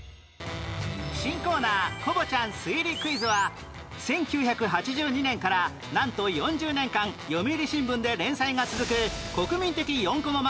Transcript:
新コーナー『コボちゃん』推理クイズは１９８２年からなんと４０年間『読売新聞』で連載が続く国民的４コマ